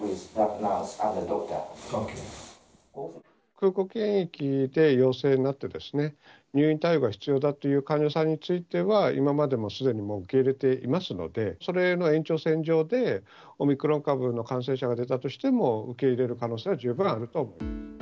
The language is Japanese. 空港検疫で陽性となって、入院対応が必要だという患者さんについては、今までもすでにもう、受け入れていますので、それの延長線上で、オミクロン株の感染者が出たとしても、受け入れる可能性は十分あると思います。